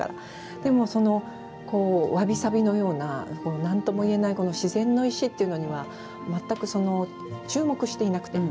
でも、わびさびのようななんともいえない自然の石というのには全く注目していなくて。